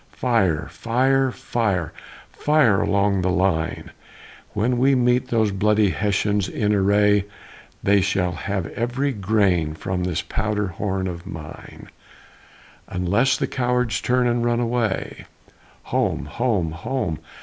Fire! Fire! Fire! Fire all along the line, When we meet those bloody Hessians in array! They shall have every grain from this powder horn of mine, Unless the cowards turn and run away. Home! Home! Home!